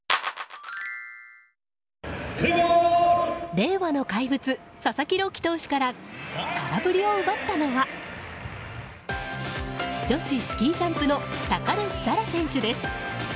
令和の怪物佐々木朗希投手から空振りを奪ったのは女子スキージャンプの高梨沙羅選手です。